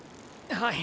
はい。